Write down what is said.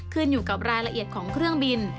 ขึ้นอยู่กับรายละเอียดของเครื่องบิน